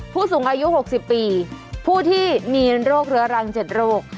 ผู้สูงอายุ๖๐ปีผู้ที่มีโรคเรื้อรัง๗โรค